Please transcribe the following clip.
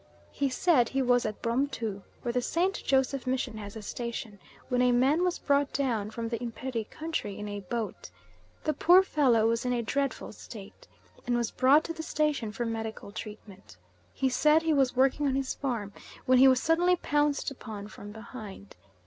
"He said he was at Bromtu, where the St. Joseph Mission has a station, when a man was brought down from the Imperi country in a boat. The poor fellow was in a dreadful state, and was brought to the station for medical treatment. He said he was working on his farm, when he was suddenly pounced upon from behind.